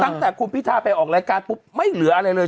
ตั้งแต่คุณพิทาไปออกรายการปุ๊บไม่เหลืออะไรเลย